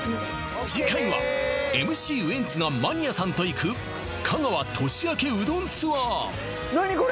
次回はＭＣウエンツがマニアさんと行く香川年明けうどんツアー何これ！？